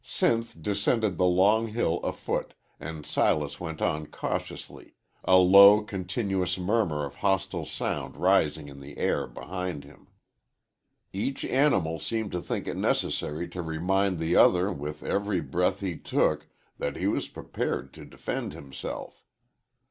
Sinth descended the long hill afoot, and Silas went on cautiously, a low, continuous murmur of hostile sound rising in the air behind him. Each animal seemed to think it necessary to remind the other with every breath he took that he was prepared to defend himself.